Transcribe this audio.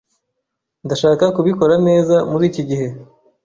Ndashaka kubikora neza muriki gihe.